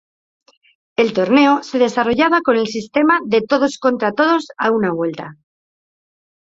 El torneo se desarrollaba con el sistema de todos-contra-todos a una vuelta.